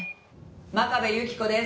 「真壁有希子です」